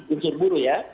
unsur buruh ya